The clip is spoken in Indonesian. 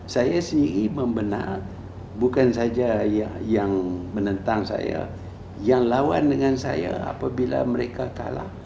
saya sendiri membenar bukan saja yang menentang saya yang lawan dengan saya apabila mereka kalah